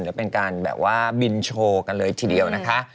แล้วเป็นการแบบว่าบินโชว์กันเลยทีเดียวนะคะ